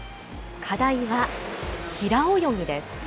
課題は平泳ぎです。